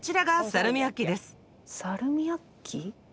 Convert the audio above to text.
サルミアッキ？